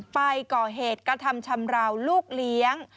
ไปก่อเหตุกระทำชำราวลูกเลี้ยง